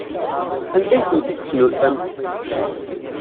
Anda ay tent-id-tesnulfamt?